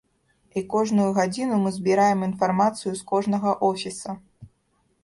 І кожную гадзіну мы збіраем інфармацыю з кожнага офіса.